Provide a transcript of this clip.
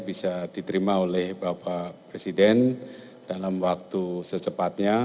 bisa diterima oleh bapak presiden dalam waktu secepatnya